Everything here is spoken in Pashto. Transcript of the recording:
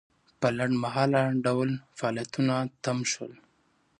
په لنډمهاله ډول فعالیتونه تم شول.